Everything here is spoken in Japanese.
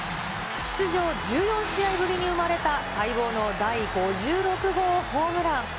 出場１４試合ぶりに生まれた待望の第５６号ホームラン。